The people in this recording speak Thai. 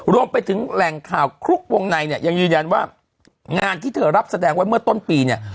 รวมไปถึงแหล่งข่าวคลุกวงในเนี่ยยังยืนยันว่างานที่เธอรับแสดงไว้เมื่อต้นปีเนี่ย